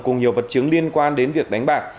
cùng nhiều vật chứng liên quan đến việc đánh bạc